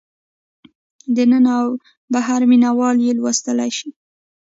دننه او بهر مینه وال یې لوستلی شي.